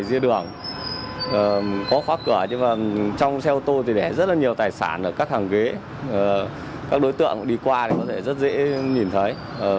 xe đường có khoác cửa nhưng mà trong xe ô tô thì để rất là nhiều tài sản ở các hàng ghế các đối tượng đi qua thì có thể rất dễ nhìn thấy